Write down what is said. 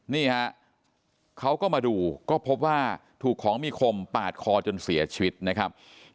นี่ฮะเขาก็มาดูก็พบว่าถูกของมีคมปาดคอจนเสียชีวิตนะครับ